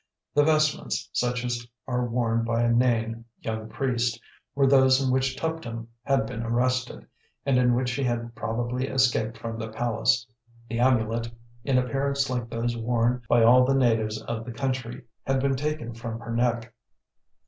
The vestments, such as are worn by a nain (young priest), were those in which Tuptim had been arrested, and in which she had probably escaped from the palace; the amulet, in appearance like those worn by all the natives of the country, had been taken from her neck.